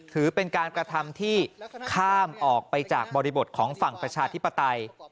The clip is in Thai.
ถือเป็นการกระทำที่ข้ามออกไปจากบริบทของฝั่งประชาธิปไตย